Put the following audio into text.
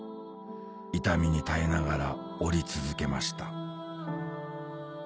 「痛みに耐えながら折り続けました」